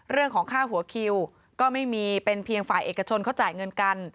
เรื่องของค่าหัวคิวก็ไม่มีเป็นเพียงฝ่ายเอกชนเขาจ่ายเงินกัน